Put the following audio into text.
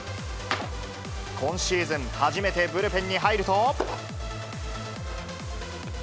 今シーズン、初めてブルペンに入ると。